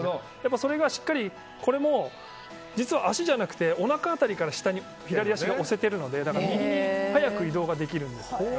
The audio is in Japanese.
それがしっかりこれも実は足じゃなくておなか辺りから左足が押せてるので右に速く移動できるんです。